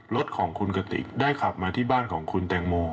รถของคุณกติกได้ขับมาที่บ้านของคุณแตงโม